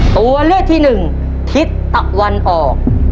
ตัวเลือกที่หนึ่งทิศตะวันออก